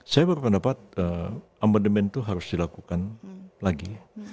saya berpendapat amandemen itu harus dilakukan lagi